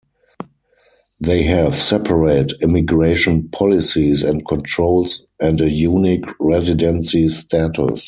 They have separate immigration policies and controls and a unique residency status.